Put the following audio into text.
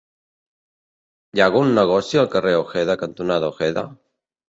Hi ha algun negoci al carrer Ojeda cantonada Ojeda?